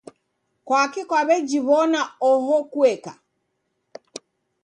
Kwaki kwaw'ajiw'ona oho kueka?